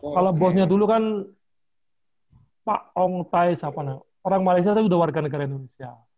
kalau bosnya dulu kan pak ong tai orang malaysia itu warga negara indonesia